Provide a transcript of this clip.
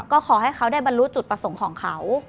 ก็ขอให้เขาได้บรรลุจุดประสงค์ของเขา